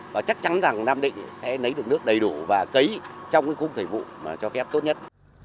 và chắc chắn rằng nam định sẽ lấy được nước đầy đủ và cấy trong cái khung thời vụ cho phép tốt nhất